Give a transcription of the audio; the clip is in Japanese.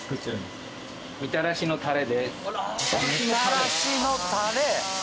みたらしのタレ！